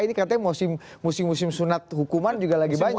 ini katanya musim musim sunat hukuman juga lagi banyak